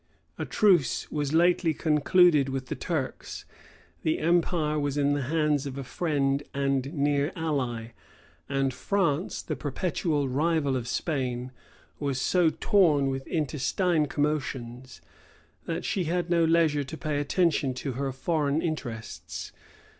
A truce was lately concluded with the Turks; the empire was in the hands of a friend and near ally; and France, the perpetual rival of Spain, was so torn with intestine commotions, that she had no leisure to pay attention to her foreign interests.